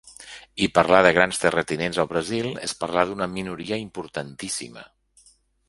I parlar de grans terratinents al Brasil és parlar d’una minoria importantíssima.